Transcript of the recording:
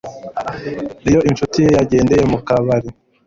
iyo inshuti ye yagendeye mu kabari